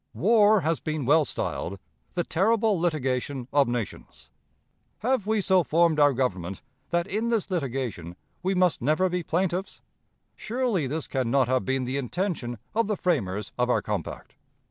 War has been well styled 'the terrible litigation of nations.' Have we so formed our Government that in this litigation we must never be plaintiffs? Surely this can not have been the intention of the framers of our compact.